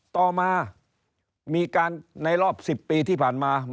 ต่อมามีการในรอบ๑๐ปีที่ผ่านมา